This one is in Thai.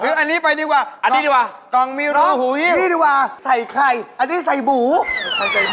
เอากล่องนี้ใส่อาหารไปมันจะได้ดูน่ากิน